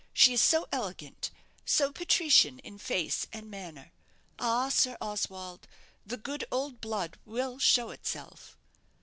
She is so elegant, so patrician in face and manner. Ah, Sir Oswald, the good old blood will show itself."